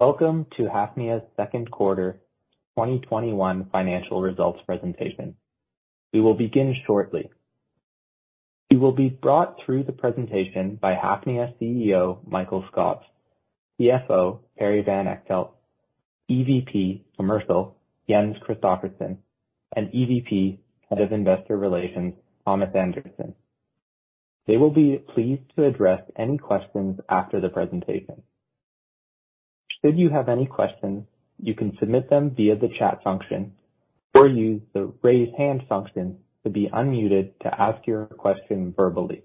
Welcome to Hafnia's Second Quarter 2021 financial results presentation. We will begin shortly. You will be brought through the presentation by Hafnia CEO Mikael Skov, CFO Perry van Echtelt, EVP Commercial Jens Christophersen, and EVP Head of Investor Relations Thomas Andersen. They will be pleased to address any questions after the presentation. Should you have any questions, you can submit them via the chat function or use the raise hand function to be unmuted to ask your question verbally.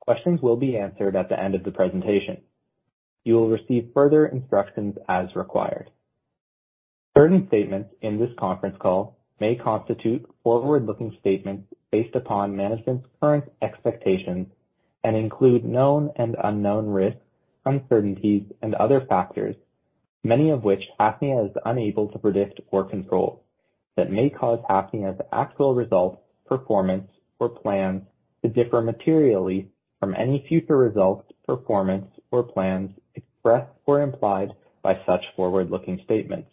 Questions will be answered at the end of the presentation. You will receive further instructions as required. Certain statements in this conference call may constitute forward-looking statements based upon management's current expectations and include known and unknown risks, uncertainties, and other factors, many of which Hafnia is unable to predict or control, that may cause Hafnia's actual results, performance or plans to differ materially from any future results, performance or plans expressed or implied by such forward-looking statements.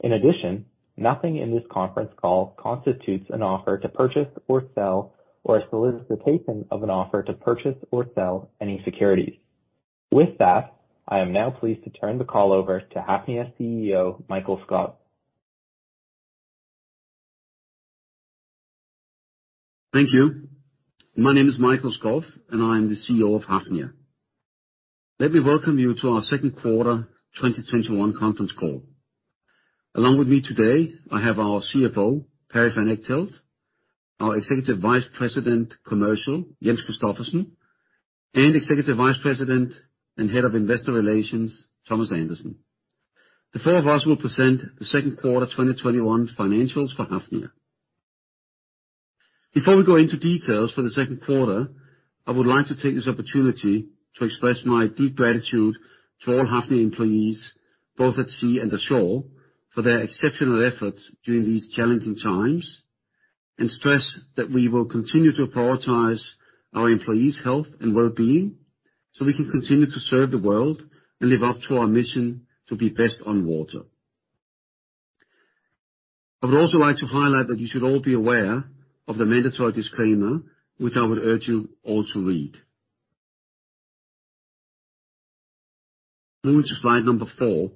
In addition, nothing in this conference call constitutes an offer to purchase or sell, or a solicitation of an offer to purchase or sell any securities. With that, I am now pleased to turn the call over to Hafnia CEO Mikael Skov. Thank you. My name is Mikael Skov, and I am the CEO of Hafnia. Let me welcome you to our Second Quarter 2021 conference call. Along with me today, I have our CFO, Perry van Echtelt, our Executive Vice President Commercial, Jens Christophersen, and Executive Vice President and Head of Investor Relations, Thomas Andersen. The four of us will present the Second Quarter 2021 financials for Hafnia. Before we go into details for the second quarter, I would like to take this opportunity to express my deep gratitude to all Hafnia employees, both at sea and the shore, for their exceptional efforts during these challenging times, and stress that we will continue to prioritize our employees' health and well-being so we can continue to serve the world and live up to our mission to be best on water. I would also like to highlight that you should all be aware of the mandatory disclaimer, which I would urge you all to read. Moving to slide number four.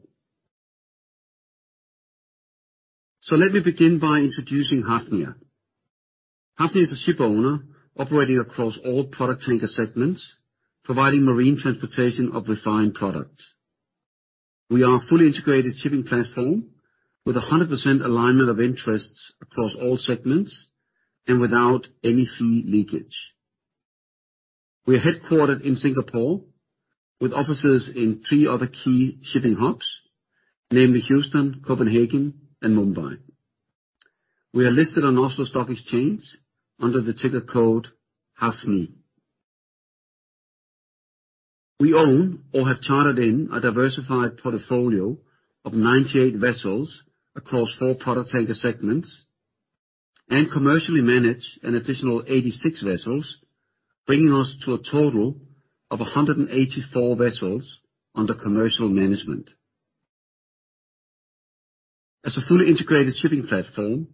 Let me begin by introducing Hafnia. Hafnia is a shipowner operating across all product tanker segments, providing marine transportation of refined products. We are a fully integrated shipping platform with 100% alignment of interests across all segments and without any fee leakage. We are headquartered in Singapore with offices in three other key shipping hubs, namely Houston, Copenhagen, and Mumbai. We are listed on Oslo Stock Exchange under the ticker code HAFNI. We own or have chartered in a diversified portfolio of 98 vessels across four product tanker segments and commercially manage an additional 86 vessels, bringing us to a total of 184 vessels under commercial management. As a fully integrated shipping platform,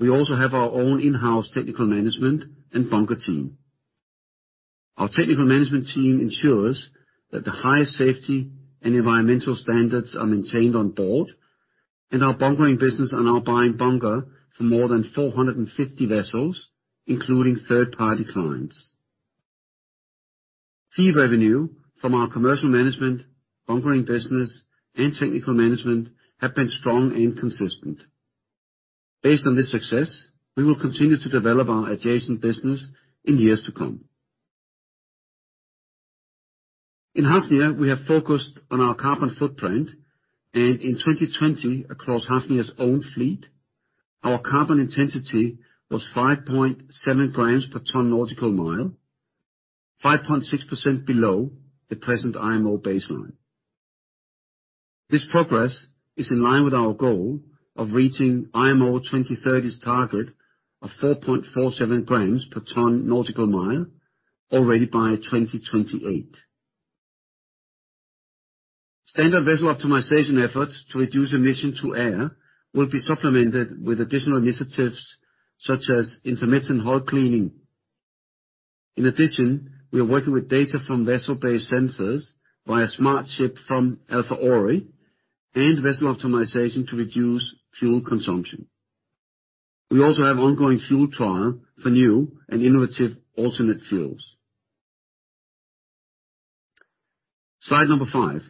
we also have our own in-house technical management and bunker team. Our technical management team ensures that the highest safety and environmental standards are maintained on board, and our bunkering business are now buying bunker for more than 450 vessels, including third-party clients. Fee revenue from our commercial management, bunkering business, and technical management have been strong and consistent. Based on this success, we will continue to develop our adjacent business in years to come. In Hafnia, we are focused on our carbon footprint, and in 2020, across Hafnia's own fleet, our carbon intensity was 5.7 grams per ton nautical mile, 5.6% below the present IMO baseline. This progress is in line with our goal of reaching IMO 2030's target of 4.47 grams per ton nautical mile already by 2028. Standard vessel optimization efforts to reduce emission to air will be supplemented with additional initiatives such as intermittent hull cleaning. In addition, we are working with data from vessel-based sensors via SMARTShip from Alpha Ori and vessel optimization to reduce fuel consumption. We also have ongoing fuel trial for new and innovative alternate fuels. Slide number five.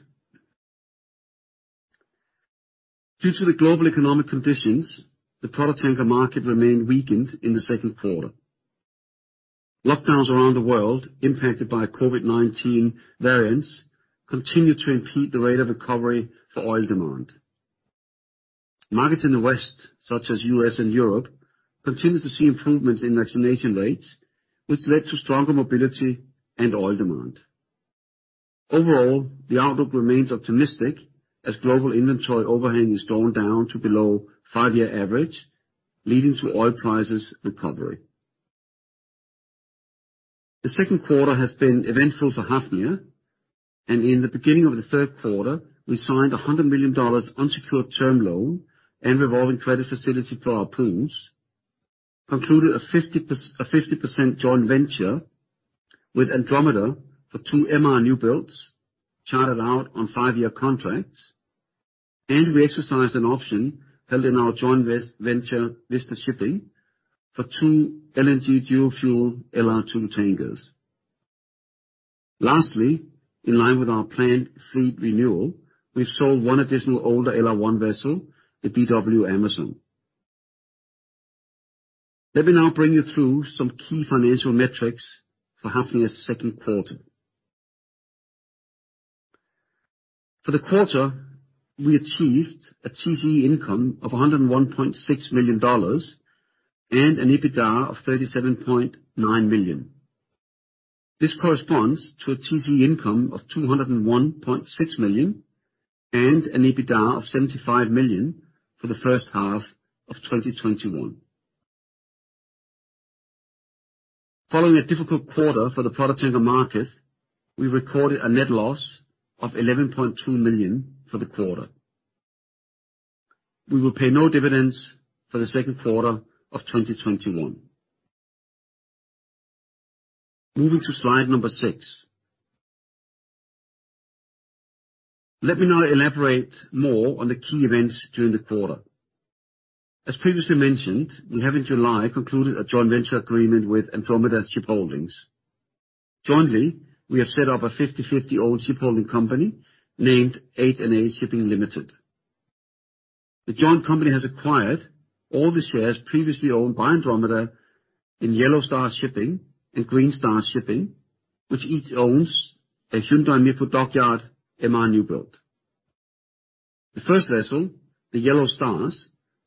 Due to the global economic conditions, the product tanker market remained weakened in the second quarter. Lockdowns around the world impacted by COVID-19 variants continued to impede the rate of recovery for oil demand. Markets in the West, such as U.S. and Europe, continued to see improvements in vaccination rates, which led to stronger mobility and oil demand. Overall, the outlook remains optimistic as global inventory overhang is going down to below five-year average, leading to oil prices recovery. The second quarter has been eventful for Hafnia, and in the beginning of the third quarter, we signed a $100 million unsecured term loan and revolving credit facility for our pools, concluded a 50% joint venture with Andromeda for 2 MR new builds, chartered out on five-year contracts, and we exercised an option held in our joint venture, Vista Shipping, for 2 LNG dual fuel LR2 tankers. Lastly, in line with our planned fleet renewal, we've sold one additional older LR1 vessel, the BW Amazon. Let me now bring you through some key financial metrics for Hafnia's second quarter. For the quarter, we achieved a TCE income of $101.6 million and an EBITDA of $37.9 million. This corresponds to a TCE income of $201.6 million and an EBITDA of $75 million for the first half of 2021. Following a difficult quarter for the product tanker market, we recorded a net loss of $11.2 million for the quarter. We will pay no dividends for the second quarter of 2021. Moving to slide number six. Let me now elaborate more on the key events during the quarter. As previously mentioned, we have in July concluded a joint venture agreement with Andromeda Shipholdings. Jointly, we have set up a 50/50 owned shipholding company named H&A Shipping Limited. The joint company has acquired all the shares previously owned by Andromeda in Yellow Star Shipping and Green Star Shipping, which each owns a Hyundai Mipo Dockyard MR new build. The first vessel, the Yellow Star,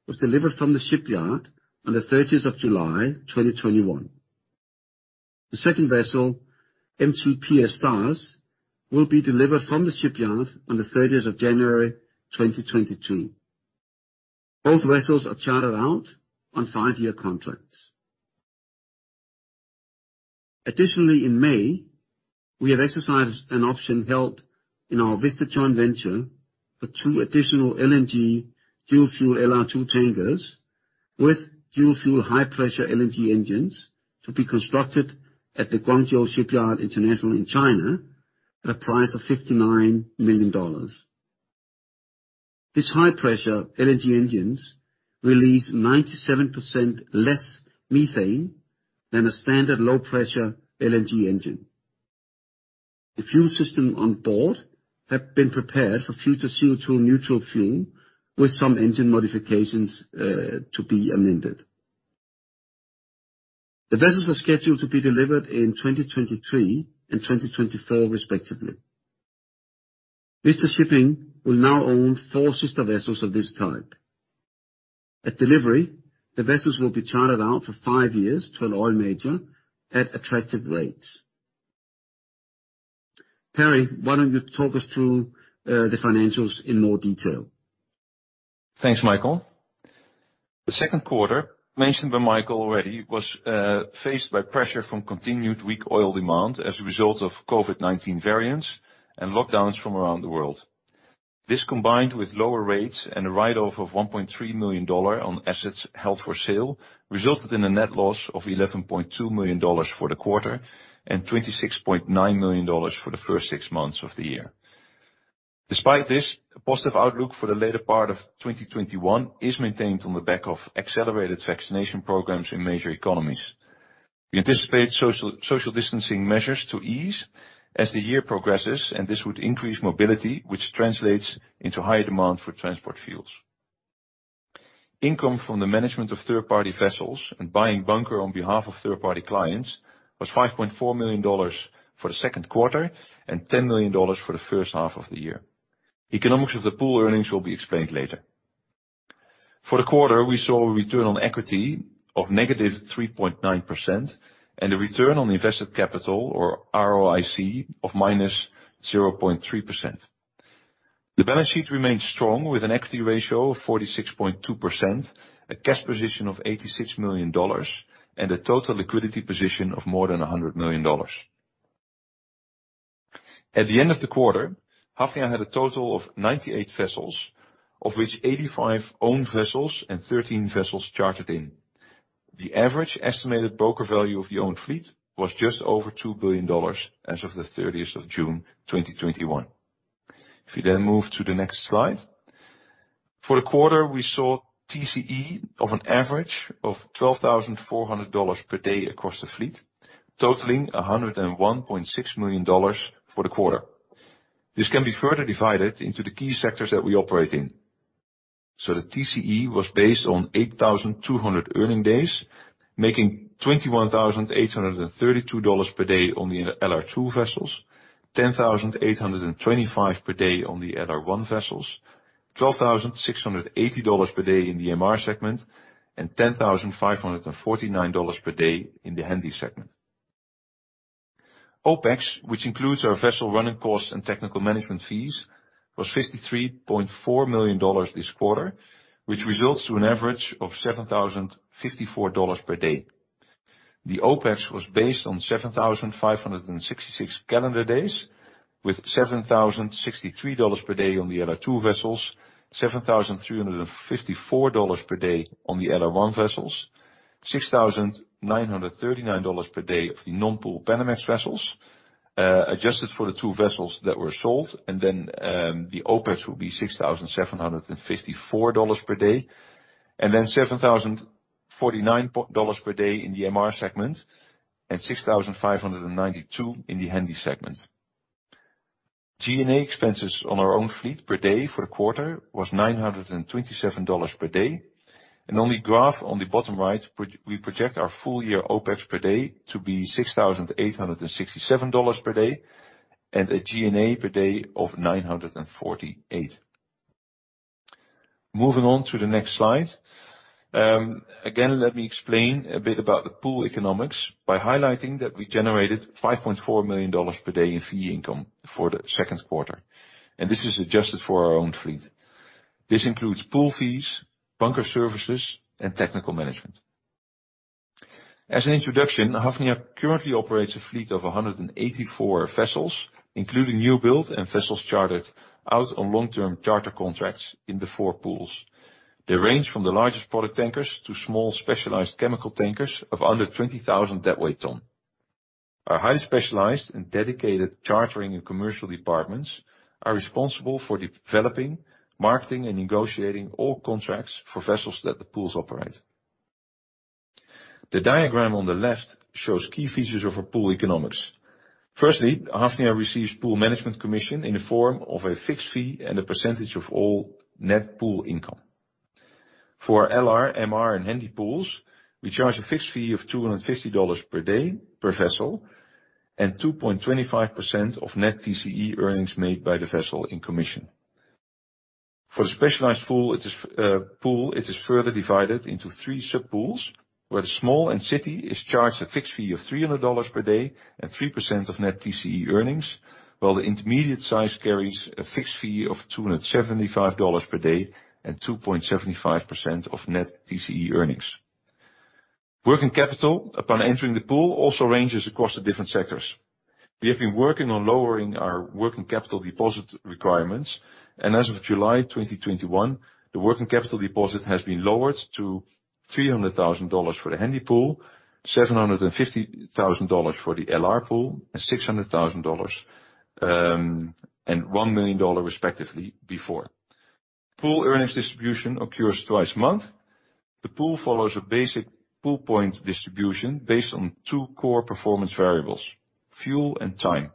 was delivered from the shipyard on the 30th of July 2021. The second vessel, Hafnia Star, will be delivered from the shipyard on the 30th of January 2022. Both vessels are chartered out on five-year contracts. Additionally, in May, we have exercised an option held in our Vista Shipping joint venture for two additional LNG dual fuel LR2 tankers with dual fuel high-pressure LNG engines to be constructed at the Guangzhou Shipyard International in China at a price of $59 million. These high-pressure LNG engines release 97% less methane than a standard low-pressure LNG engine. The fuel system on board have been prepared for future CO2-neutral fuel with some engine modifications to be amended. The vessels are scheduled to be delivered in 2023 and 2024, respectively. Vista Shipping will now own four sister vessels of this type. At delivery, the vessels will be chartered out for five years to an oil major at attractive rates. Perry, why don't you talk us through the financials in more detail? Thanks, Mikael. The second quarter, mentioned by Mikael already, was faced by pressure from continued weak oil demand as a result of COVID-19 variants and lockdowns from around the world. This, combined with lower rates and a write-off of $1.3 million on assets held for sale, resulted in a net loss of $11.2 million for the quarter and $26.9 million for the first six months of the year. Despite this, a positive outlook for the later part of 2021 is maintained on the back of accelerated vaccination programs in major economies. We anticipate social distancing measures to ease as the year progresses, and this would increase mobility, which translates into higher demand for transport fuels. Income from the management of third-party vessels and buying bunker on behalf of third-party clients was $5.4 million for the second quarter and $10 million for the first half of the year. Economics of the pool earnings will be explained later. For the quarter, we saw a return on equity of negative 3.9% and a return on invested capital or ROIC of minus 0.3%. The balance sheet remains strong with an equity ratio of 46.2%, a cash position of $86 million, and a total liquidity position of more than $100 million. At the end of the quarter, Hafnia had a total of 98 vessels, of which 85 owned vessels and 13 vessels chartered in. The average estimated broker value of the owned fleet was just over $2 billion as of the 30th of June 2021. You then move to the next slide. For the quarter, we saw TCE of an average of $12,400 per day across the fleet, totaling $101.6 million for the quarter. This can be further divided into the key sectors that we operate in. The TCE was based on 8,200 earning days, making $21,832 per day on the LR2 vessels, $10,825 per day on the LR1 vessels, $12,680 per day in the MR segment, and $10,549 per day in the Handy segment. Opex, which includes our vessel running costs and technical management fees, was $53.4 million this quarter, which results to an average of $7,054 per day. The Opex was based on 7,566 calendar days with $7,063 per day on the LR2 vessels, $7,354 per day on the LR1 vessels, $6,939 per day of the non-pool Panamax vessels. Adjusted for the two vessels that were sold, and then the Opex will be $6,754 per day, and then $7,049 per day in the MR segment, and $6,592 in the Handy segment. G&A expenses on our own fleet per day for the quarter was $927 per day, and on the graph on the bottom right, we project our full year Opex per day to be $6,867 per day, and a G&A per day of $948. Moving on to the next slide. Again, let me explain a bit about the pool economics by highlighting that we generated $5.4 million per day in fee income for the second quarter. This is adjusted for our own fleet. This includes pool fees, bunker services, and technical management. As an introduction, Hafnia currently operates a fleet of 184 vessels, including new build and vessels chartered out on long-term charter contracts in the four pools. They range from the largest product tankers to small specialized chemical tankers of under 20,000 deadweight ton. Our highly specialized and dedicated chartering and commercial departments are responsible for developing, marketing, and negotiating all contracts for vessels that the pools operate. The diagram on the left shows key features of our pool economics. Firstly, Hafnia receives pool management commission in the form of a fixed fee and a percentage of all net pool income. For LR, MR, and Handy pools, we charge a fixed fee of $250 per day per vessel and 2.25% of net TCE earnings made by the vessel in commission. For the specialized pool, it is further divided into three sub-pools, where the small and city is charged a fixed fee of $300 per day and 3% of net TCE earnings, while the intermediate size carries a fixed fee of $275 per day and 2.75% of net TCE earnings. Working capital upon entering the pool also ranges across the different sectors. We have been working on lowering our working capital deposit requirements, and as of July 2021, the working capital deposit has been lowered to $300,000 for the Handy pool, $750,000 for the LR pool, and $600,000 and $1 million respectively before. Pool earnings distribution occurs twice a month. The pool follows a basic pool point distribution based on two core performance variables, fuel and time.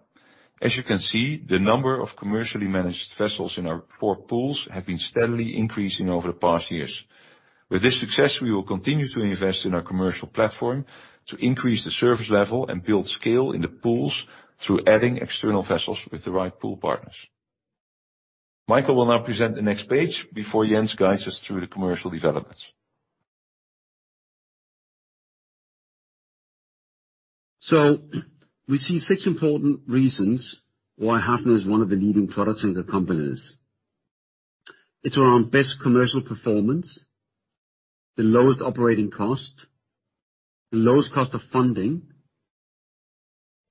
As you can see, the number of commercially managed vessels in our four pools have been steadily increasing over the past years. With this success, we will continue to invest in our commercial platform to increase the service level and build scale in the pools through adding external vessels with the right pool partners. Mikael will now present the next page before Jens guides us through the commercial developments. We see six important reasons why Hafnia is one of the leading product tanker companies. It's around best commercial performance, the lowest operating cost, the lowest cost of funding,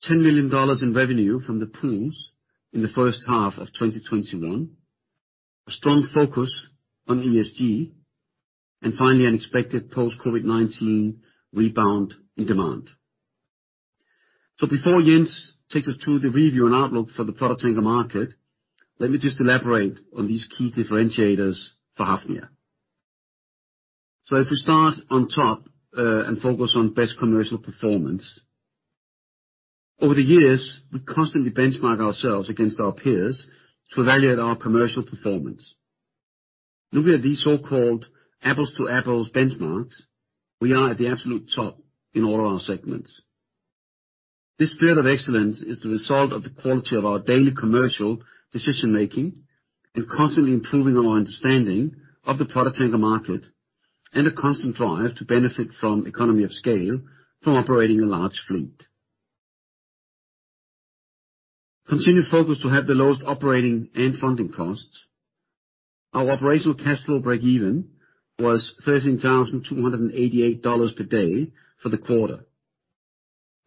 $10 million in revenue from the pools in the first half of 2021, a strong focus on ESG, and finally, an expected post-COVID-19 rebound in demand. Before Jens takes us through the review and outlook for the product tanker market, let me just elaborate on these key differentiators for Hafnia. If we start on top and focus on best commercial performance. Over the years, we constantly benchmark ourselves against our peers to evaluate our commercial performance. Looking at these so-called apples to apples benchmarks, we are at the absolute top in all our segments. This spirit of excellence is the result of the quality of our daily commercial decision-making and constantly improving on our understanding of the product tanker market, and a constant drive to benefit from economy of scale from operating a large fleet. Continued focus to have the lowest operating and funding costs. Our operational cash flow breakeven was $13,288 per day for the quarter.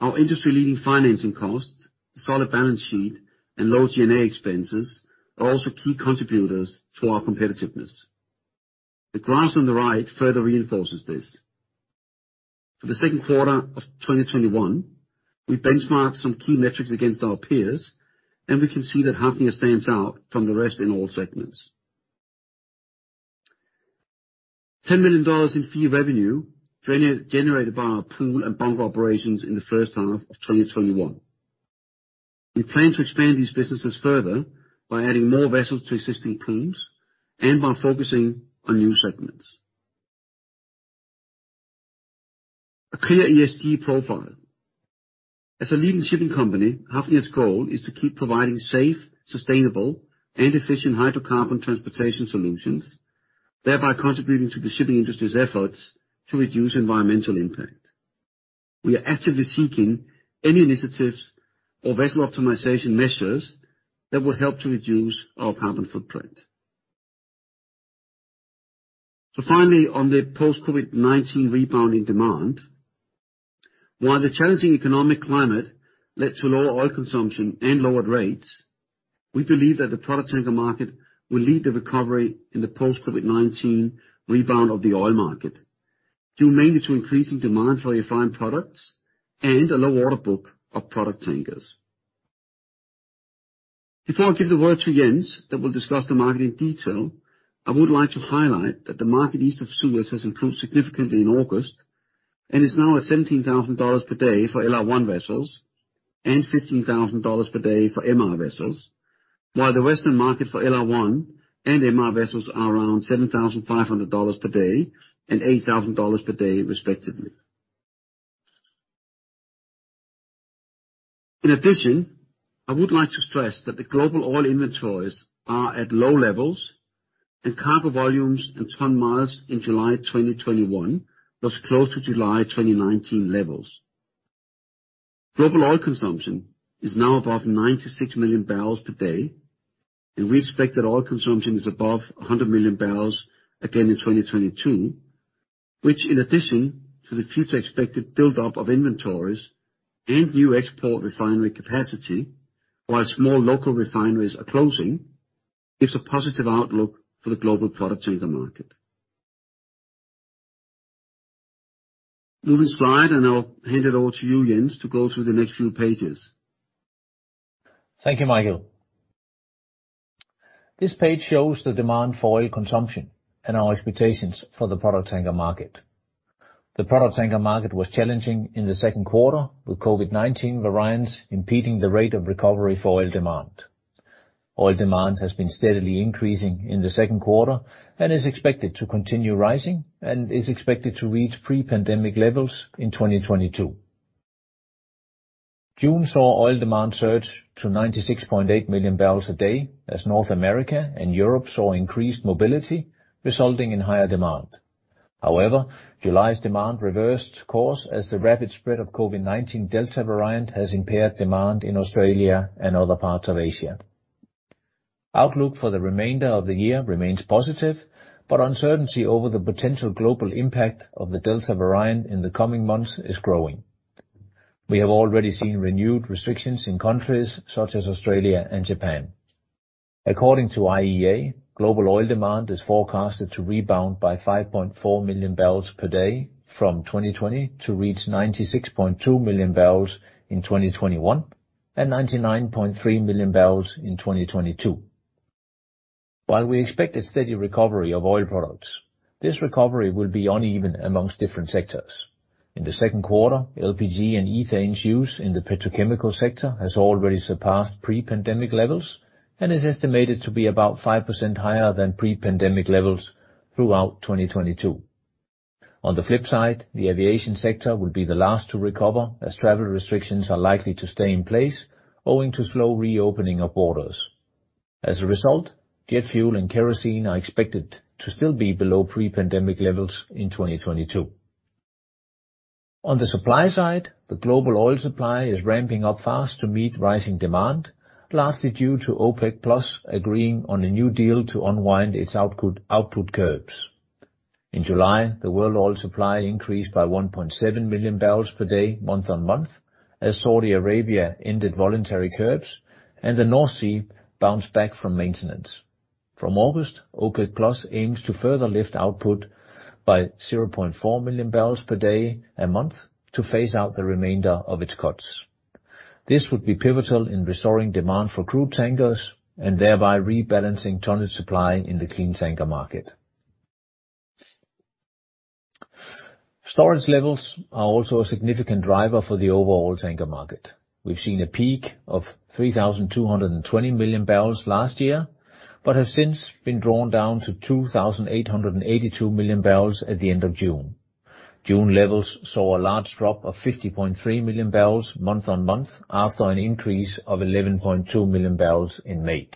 Our industry-leading financing costs, solid balance sheet, and low G&A expenses are also key contributors to our competitiveness. The graphs on the right further reinforces this. For the second quarter of 2021, we benchmarked some key metrics against our peers, and we can see that Hafnia stands out from the rest in all segments. $10 million in fee revenue generated by our pool and bunker operations in the first half of 2021. We plan to expand these businesses further by adding more vessels to existing pools and by focusing on new segments. A clear ESG profile. As a leading shipping company, Hafnia's goal is to keep providing safe, sustainable, and efficient hydrocarbon transportation solutions. Therefore contributing to the shipping industry's efforts to reduce environmental impact. We are actively seeking any initiatives or vessel optimization measures that will help to reduce our carbon footprint. Finally, on the post-COVID-19 rebound in demand. While the challenging economic climate led to lower oil consumption and lower rates, we believe that the product tanker market will lead the recovery in the post-COVID-19 rebound of the oil market, due mainly to increasing demand for refined products and a low order book of product tankers. Before I give the word to Jens, that will discuss the market in detail, I would like to highlight that the market east of Suez has improved significantly in August, and is now at $17,000 per day for LR1 vessels and $15,000 per day for MR vessels, while the western market for LR1 and MR vessels are around $7,500 per day and $8,000 per day respectively. In addition, I would like to stress that the global oil inventories are at low levels, and cargo volumes and ton-miles in July 2021 was close to July 2019 levels. Global oil consumption is now above 96 million barrels per day, and we expect that oil consumption is above 100 million barrels again in 2022, which in addition to the future expected buildup of inventories and new export refinery capacity, whilst more local refineries are closing, gives a positive outlook for the global product tanker market. Moving slide. I'll hand it over to you, Jens, to go through the next few pages. Thank you, Mikael. This page shows the demand for oil consumption and our expectations for the product tanker market. The product tanker market was challenging in the second quarter, with COVID-19 variants impeding the rate of recovery for oil demand. Oil demand has been steadily increasing in the second quarter and is expected to continue rising and is expected to reach pre-pandemic levels in 2022. June saw oil demand surge to 96.8 million barrels a day as North America and Europe saw increased mobility, resulting in higher demand. However, July's demand reversed course as the rapid spread of COVID-19 Delta variant has impaired demand in Australia and other parts of Asia. Outlook for the remainder of the year remains positive, but uncertainty over the potential global impact of the Delta variant in the coming months is growing. We have already seen renewed restrictions in countries such as Australia and Japan. According to IEA, global oil demand is forecasted to rebound by 5.4 million barrels per day from 2020 to reach 96.2 million barrels in 2021 and 99.3 million barrels in 2022. While we expect a steady recovery of oil products, this recovery will be uneven amongst different sectors. In the second quarter, LPG and ethane's use in the petrochemical sector has already surpassed pre-pandemic levels and is estimated to be about 5% higher than pre-pandemic levels throughout 2022. On the flip side, the aviation sector will be the last to recover as travel restrictions are likely to stay in place owing to slow reopening of borders. As a result, jet fuel and kerosene are expected to still be below pre-pandemic levels in 2022. On the supply side, the global oil supply is ramping up fast to meet rising demand, largely due to OPEC+ agreeing on a new deal to unwind its output curbs. In July, the world oil supply increased by 1.7 million barrels per day, month-on-month, as Saudi Arabia ended voluntary curbs and the North Sea bounced back from maintenance. From August, OPEC+ aims to further lift output by 0.4 million barrels per day a month to phase out the remainder of its cuts. This would be pivotal in restoring demand for crude tankers and thereby rebalancing tonnage supply in the clean tanker market. Storage levels are also a significant driver for the overall tanker market. We've seen a peak of 3,220 million barrels last year, but have since been drawn down to 2,882 million barrels at the end of June. June levels saw a large drop of 50.3 million barrels month-on-month after an increase of 11.2 million barrels in May.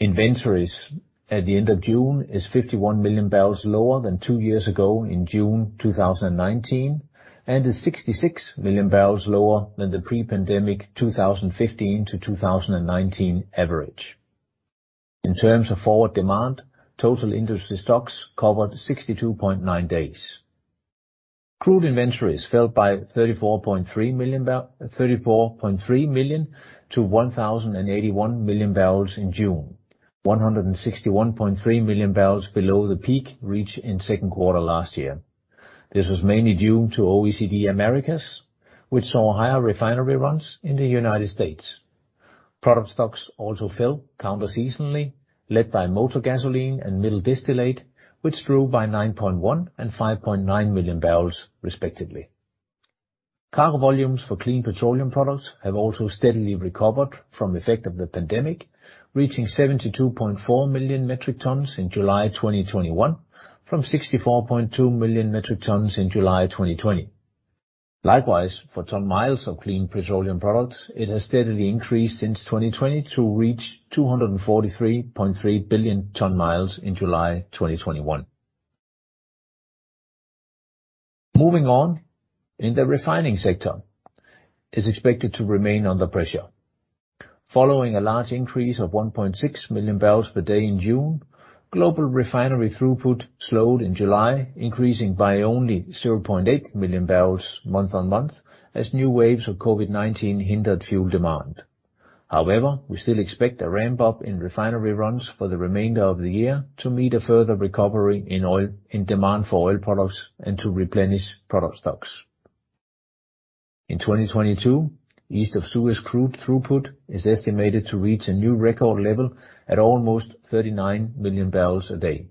Inventories at the end of June is 51 million barrels lower than two years ago in June 2019 and is 66 million barrels lower than the pre-pandemic 2015-2019 average. In terms of forward demand, total industry stocks covered 62.9 days. Crude inventories fell by 34.3 million to 1,081 million barrels in June, 161.3 million barrels below the peak reached in second quarter last year. This was mainly due to OECD Americas, which saw higher refinery runs in the United States. Product stocks also fell counterseasonally, led by motor gasoline and middle distillate, which drew by 9.1 and 5.9 million barrels respectively. Cargo volumes for clean petroleum products have also steadily recovered from effect of the pandemic, reaching 72.4 million metric tons in July 2021 from 64.2 million metric tons in July 2020. Likewise, for ton-miles of clean petroleum products, it has steadily increased since 2020 to reach 243.3 billion ton-miles in July 2021. Moving on, in the refining sector, it's expected to remain under pressure. Following a large increase of 1.6 million barrels per day in June, global refinery throughput slowed in July, increasing by only 0.8 million barrels month-on-month, as new waves of COVID-19 hindered fuel demand. However, we still expect a ramp up in refinery runs for the remainder of the year to meet a further recovery in demand for oil products and to replenish product stocks. In 2022, East of Suez crude throughput is estimated to reach a new record level at almost 39 million barrels a day.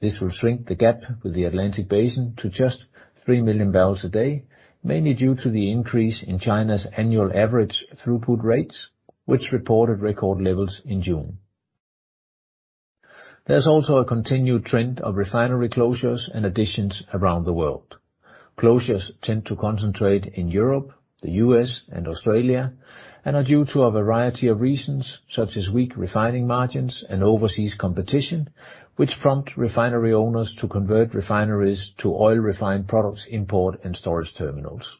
This will shrink the gap with the Atlantic Basin to just 3 million barrels a day, mainly due to the increase in China's annual average throughput rates, which reported record levels in June. There's also a continued trend of refinery closures and additions around the world. Closures tend to concentrate in Europe, the U.S., and Australia, and are due to a variety of reasons, such as weak refining margins and overseas competition, which prompt refinery owners to convert refineries to oil refined products import and storage terminals.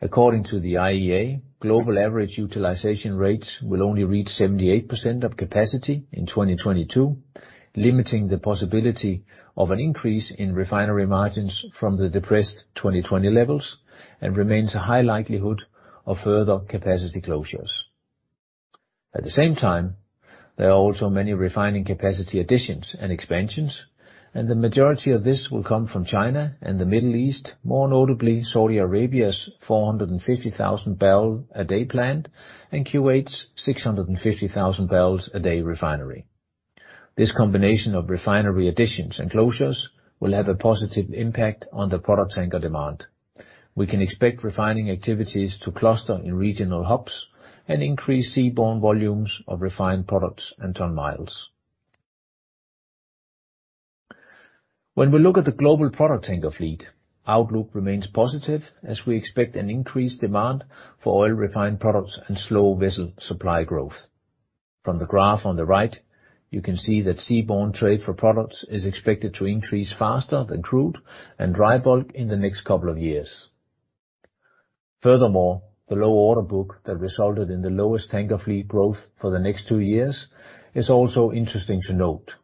According to the IEA, global average utilization rates will only reach 78% of capacity in 2022, limiting the possibility of an increase in refinery margins from the depressed 2020 levels, and remains a high likelihood of further capacity closures. At the same time, there are also many refining capacity additions and expansions. The majority of this will come from China and the Middle East, more notably Saudi Arabia's 450,000 barrel a day plant, and Kuwait's 650,000 barrels a day refinery. This combination of refinery additions and closures will have a positive impact on the product tanker demand. We can expect refining activities to cluster in regional hubs and increase seaborne volumes of refined products and ton-miles. When we look at the global product tanker fleet, outlook remains positive as we expect an increased demand for oil refined products and slow vessel supply growth. From the graph on the right, you can see that seaborne trade for products is expected to increase faster than crude and dry bulk in the next couple of years. Furthermore, the low order book that resulted in the lowest tanker fleet growth for the next two years is also interesting to note.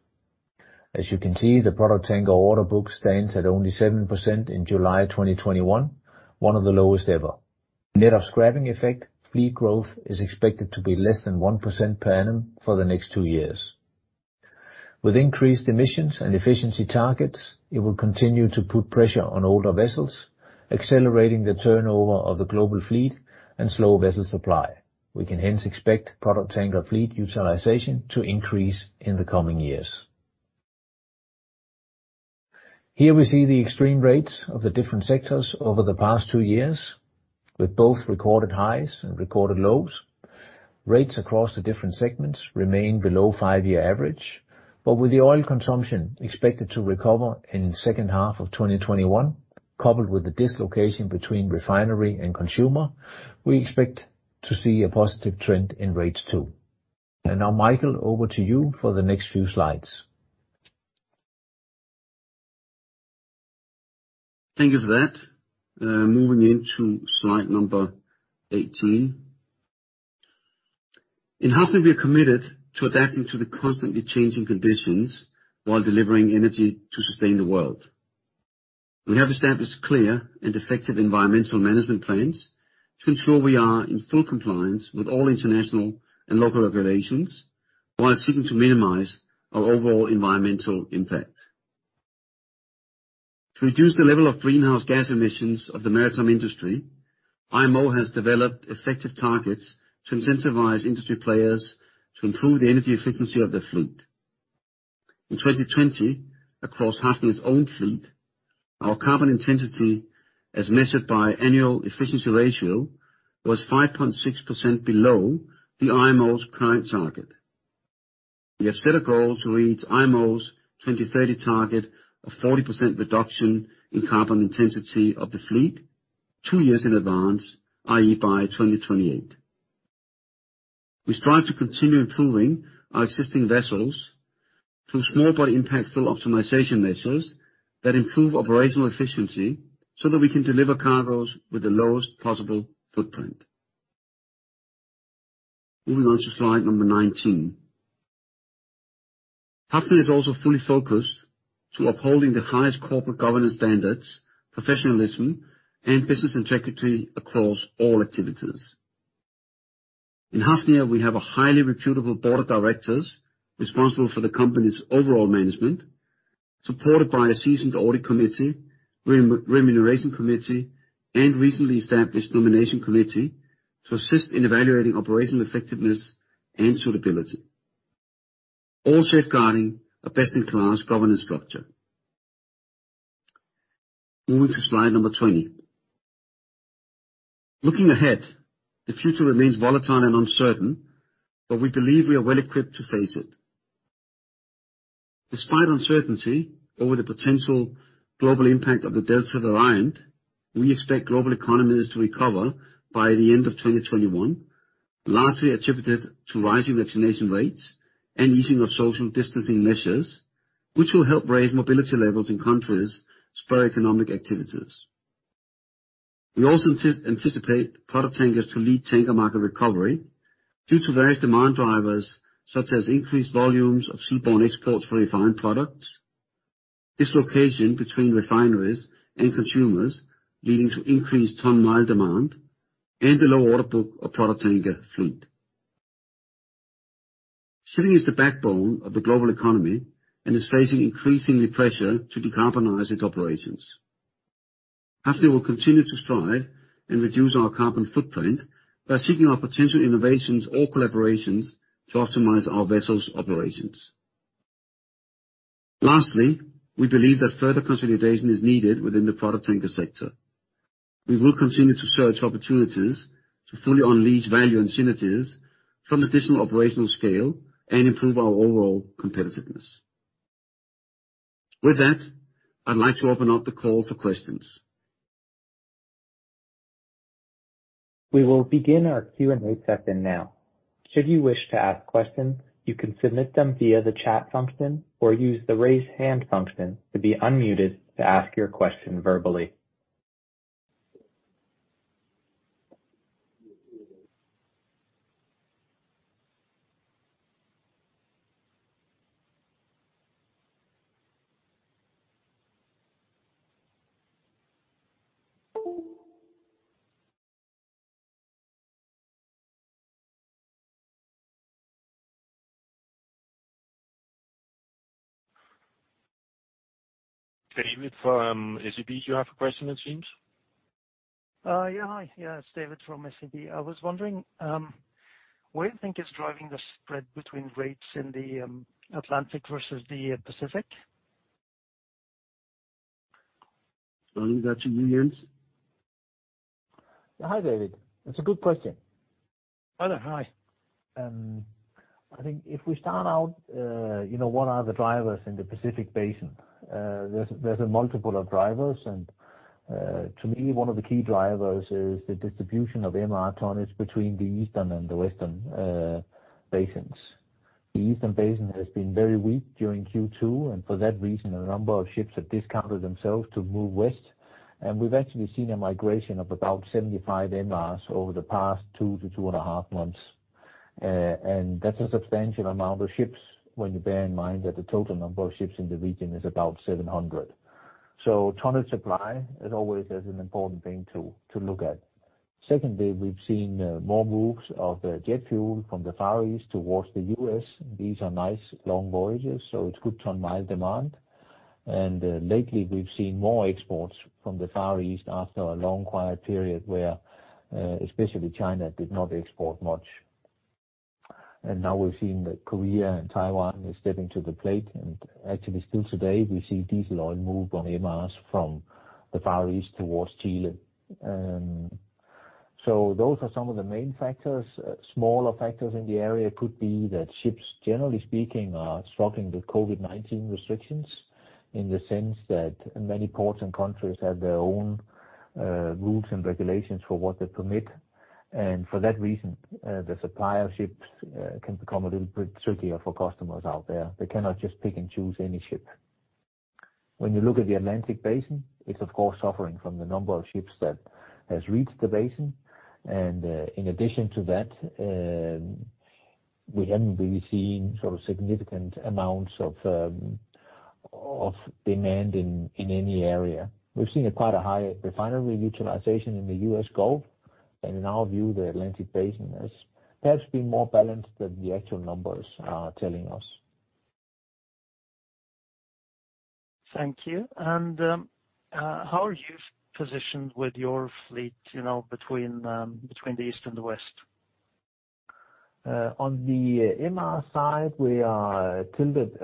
As you can see, the product tanker order book stands at only 7% in July 2021, one of the lowest ever. Net of scrapping effect, fleet growth is expected to be less than 1% per annum for the next two years. With increased emissions and efficiency targets, it will continue to put pressure on older vessels, accelerating the turnover of the global fleet and slow vessel supply. We can hence expect product tanker fleet utilization to increase in the coming years. Here we see the extreme rates of the different sectors over the past two years, with both recorded highs and recorded lows. Rates across the different segments remain below five-year average, but with the oil consumption expected to recover in second half of 2021, coupled with the dislocation between refinery and consumer, we expect to see a positive trend in rates too. Now, Mikael, over to you for the next few slides. Thank you for that. Moving into slide number 18. In Hafnia, we are committed to adapting to the constantly changing conditions while delivering energy to sustain the world. We have established clear and effective environmental management plans to ensure we are in full compliance with all international and local regulations while seeking to minimize our overall environmental impact. To reduce the level of greenhouse gas emissions of the maritime industry, IMO has developed effective targets to incentivize industry players to improve the energy efficiency of their fleet. In 2020, across Hafnia's own fleet, our carbon intensity as measured by Annual Efficiency Ratio was 5.6% below the IMO's current target. We have set a goal to reach IMO's 2030 target of 40% reduction in carbon intensity of the fleet two years in advance, i.e., by 2028. We strive to continue improving our existing vessels through small but impactful optimization measures that improve operational efficiency so that we can deliver cargoes with the lowest possible footprint. Moving on to slide number 19. Hafnia is also fully focused to upholding the highest corporate governance standards, professionalism, and business integrity across all activities. In Hafnia, we have a highly reputable board of directors responsible for the company's overall management, supported by a seasoned audit committee, remuneration committee, and recently established nomination committee to assist in evaluating operational effectiveness and suitability, all safeguarding a best-in-class governance structure. Moving to slide number 20. Looking ahead, the future remains volatile and uncertain. We believe we are well equipped to face it. Despite uncertainty over the potential global impact of the Delta variant, we expect global economies to recover by the end of 2021, largely attributed to rising vaccination rates and easing of social distancing measures, which will help raise mobility levels in countries, spur economic activities. We also anticipate product tankers to lead tanker market recovery due to various demand drivers such as increased volumes of seaborne exports for refined products, dislocation between refineries and consumers leading to increased ton-mile demand, and the low order book of product tanker fleet. Shipping is the backbone of the global economy and is facing increasing pressure to decarbonize its operations. Hafnia will continue to strive and reduce our carbon footprint by seeking out potential innovations or collaborations to optimize our vessels' operations. Lastly, we believe that further consolidation is needed within the product tanker sector. We will continue to search opportunities to fully unleash value and synergies from additional operational scale and improve our overall competitiveness. With that, I'd like to open up the call for questions. We will begin our Q&A session now. Should you wish to ask questions, you can submit them via the chat function or use the raise hand function to be unmuted to ask your question verbally. David from SEB, you have a question, it seems. Yeah. Hi. Yeah, it's David from SEB. I was wondering, what do you think is driving the spread between rates in the Atlantic versus the Pacific? Ole, that's you again. Hi, David. That's a good question. Ole, hi. I think if we start out, what are the drivers in the Pacific Basin? There's a multiple of drivers, and, to me, one of the key drivers is the distribution of MR tonnage between the Eastern and the Western Basins. The Eastern Basin has been very weak during Q2. For that reason, a number of ships have discounted themselves to move west. We've actually seen a migration of about 75 MRs over the past 2-2.5 months. That's a substantial amount of ships when you bear in mind that the total number of ships in the region is about 700. Tonnage supply, as always, is an important thing to look at. Secondly, we've seen more moves of jet fuel from the Far East towards the U.S. These are nice long voyages, so it's good ton-mile demand. Lately, we've seen more exports from the Far East after a long quiet period where especially China did not export much. Now we're seeing that Korea and Taiwan is stepping to the plate, and actually still today, we see diesel oil move on MRs from the Far East towards Chile. Those are some of the main factors. Smaller factors in the area could be that ships, generally speaking, are struggling with COVID-19 restrictions in the sense that many ports and countries have their own rules and regulations for what they permit. For that reason, the supply of ships can become a little bit trickier for customers out there. They cannot just pick and choose any ship. When you look at the Atlantic basin, it's of course suffering from the number of ships that has reached the basin. In addition to that, we haven't really seen sort of significant amounts of demand in any area. We've seen quite a high refinery utilization in the U.S. Gulf, and in our view, the Atlantic basin has perhaps been more balanced than the actual numbers are telling us. Thank you. How are you positioned with your fleet between the East and the West? On the MR side, we are tilted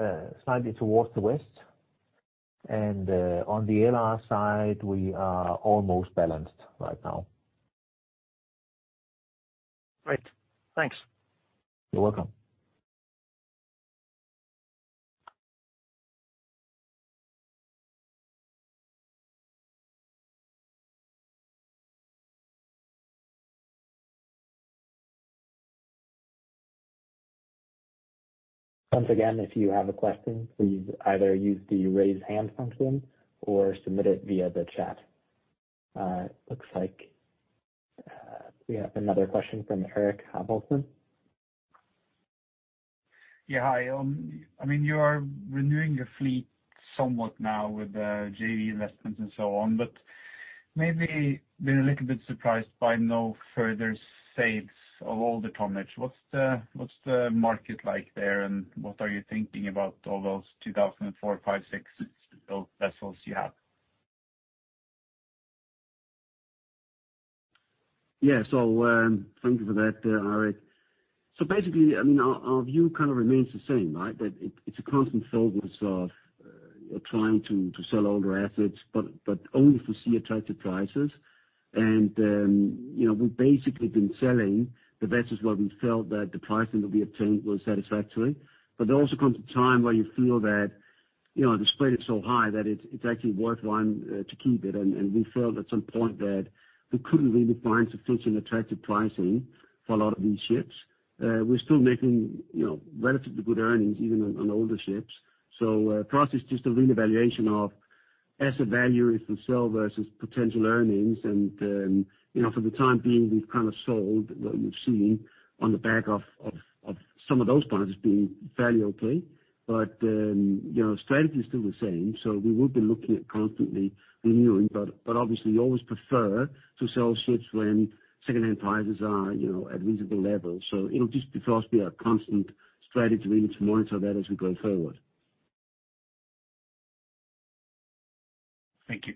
slightly towards the west, and on the LR side, we are almost balanced right now. Great. Thanks. You're welcome. Once again, if you have a question, please either use the raise hand function or submit it via the chat. Looks like we have another question from Eirik Haavaldsen. Yeah. Hi. You are renewing your fleet somewhat now with the JV investments and so on, but maybe been a little bit surprised by no further sales of all the tonnage. What's the market like there, and what are you thinking about all those 2004, 2005, 2006 built vessels you have? Yeah. Thank you for that, Eirik. Basically, our view kind of remains the same. That it's a constant focus of- Trying to sell older assets, only if we see attractive prices. We've basically been selling the vessels where we felt that the pricing that we obtained was satisfactory. There also comes a time where you feel that the spread is so high that it's actually worthwhile to keep it. We felt at some point that we couldn't really find sufficiently attractive pricing for a lot of these ships. We're still making relatively good earnings, even on older ships. For us, it's just a reevaluation of asset value if we sell versus potential earnings. For the time being, we've kind of sold what we've seen on the back of some of those partners being fairly okay. Strategy is still the same. We will be looking at constantly renewing, but obviously, you always prefer to sell ships when secondhand prices are at reasonable levels. It'll just, for us, be a constant strategy really to monitor that as we go forward. Thank you.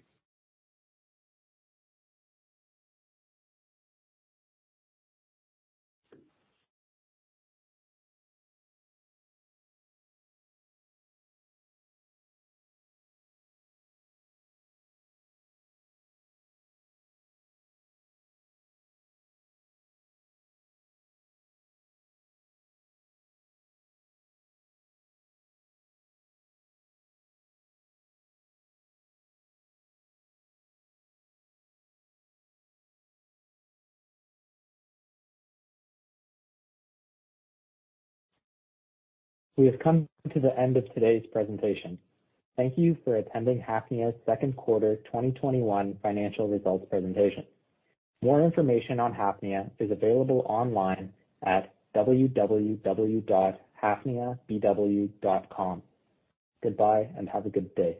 We have come to the end of today's presentation. Thank you for attending Hafnia's second quarter 2021 financial results presentation. More information on Hafnia is available online at www.hafniabw.com. Goodbye and have a good day.